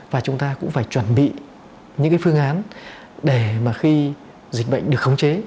và chúng ta cũng phải chuẩn bị những cái phương án để mà khi dịch bệnh được khống chế